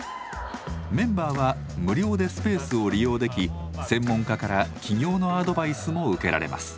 メンバーは無料でスペースを利用でき専門家から起業のアドバイスも受けられます。